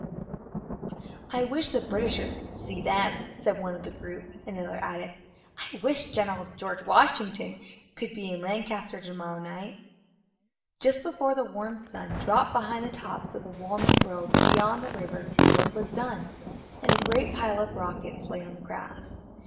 "I wish the Britishers could see them!" said one of the group; and another added: "I wish General Washington could be in Lancaster to morrow night!" Just before the warm sun dropped behind the tops of the walnut grove beyond the river the work was done, and a great pile of rockets lay on the grass.